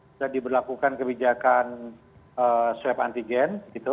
sudah diberlakukan kebijakan swab antigen